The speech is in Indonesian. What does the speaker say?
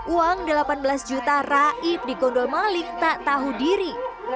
uang delapan belas juta raib di gondol maling tak tahu diri